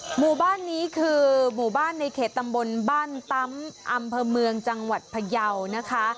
หมู่บ้านนี้คือหมู่บ้านในเขตตำบลบ้านตำอำเภอเมืองจังหวัดพยาวนะคะ